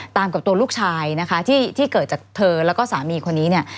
กับตัวลูกชายนะคะที่เกิดจากเธอแล้วก็สามีคนนี้เนี่ย